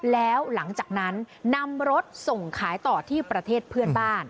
แล้วหลังจากนั้นนำรถส่งขายต่อที่ประเทศเพื่อนบ้าน